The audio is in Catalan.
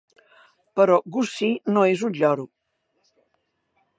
Però Gussie no és un lloro.